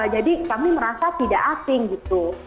jadi kami merasa tidak asing gitu